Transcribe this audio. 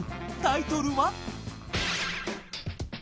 タイトルは？